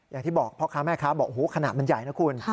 อย่างที่บอกพ่อค้าม่าค้าขนาดมันใหญ่นะคุณ